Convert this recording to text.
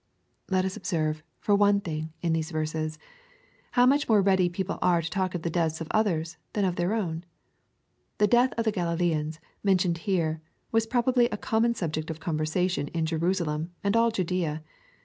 Let us observe, for one thing, in these verses. How much more ready people are to taUc of the deaths of others than their own. The death of the Gralileans, meationed here, was probably a common subject of conversation in Jerusalem and all Judea.